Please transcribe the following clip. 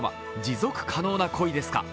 「持続可能な恋ですか？」